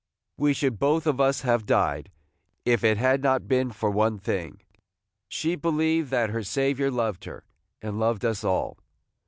We should both of us have died, if it had not been for one thing: she believed that her Saviour loved her, and loved us all.